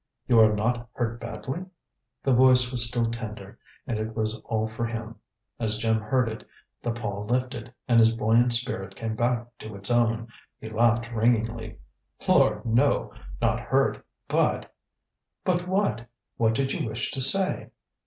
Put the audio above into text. "You are not hurt badly?" The voice was still tender, and it was all for him! As Jim heard it, the pall lifted, and his buoyant spirit came back to its own. He laughed ringingly. "Lord, no, not hurt. But " "But what? What did you wish to say?"